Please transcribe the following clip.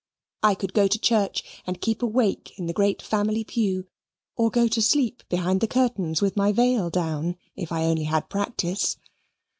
I could go to church and keep awake in the great family pew, or go to sleep behind the curtains, with my veil down, if I only had practice.